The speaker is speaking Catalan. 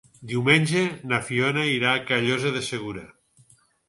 Diumenge na Fiona irà a Callosa de Segura.